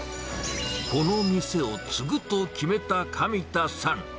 この店を継ぐと決めた紙田さん。